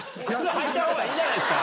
履いたほうがいいんじゃないですか？